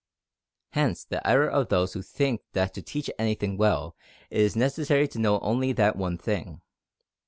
Hence the error of those who think that to teach anything well it is necessary to know only that one thing.